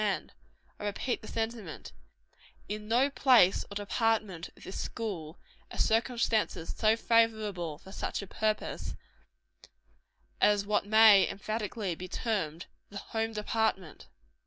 And I repeat the sentiment in no place or department of this school are circumstances so favorable for such a purpose, as what may, emphatically, be termed the _home department.